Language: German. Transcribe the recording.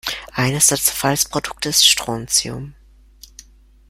Eines der Zerfallsprodukte ist Strontium.